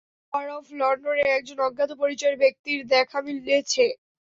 Tower of লন্ডনে একজন অজ্ঞাত পরিচয়ের ব্যক্তির দেখা মিলেছে!